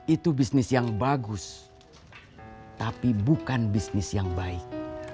itu bisnis yang bagus tapi bukan bisnis yang baik